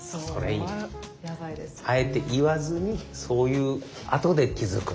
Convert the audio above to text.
あえて言わずにそういうあとで気付くみたいな。